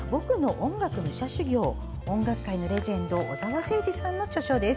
音楽界のレジェンド小澤征爾さんの著書です。